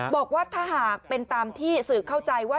บอกว่าถ้าหากเป็นตามที่สื่อเข้าใจว่า